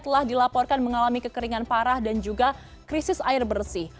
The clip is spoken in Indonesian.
telah dilaporkan mengalami kekeringan parah dan juga krisis air bersih